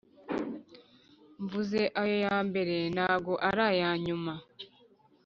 Mvuze ayo yambere nago arayanyuma